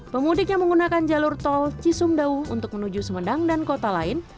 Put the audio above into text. pemudik yang menggunakan jalur tol cisumdawu untuk menuju sumedang dan kota lain